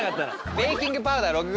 ベーキングパウダー６ｇ。